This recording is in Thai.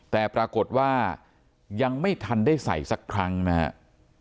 แต่ปรากฏว่ายังไม่ทันได้ใส่สักครั้งนะครับ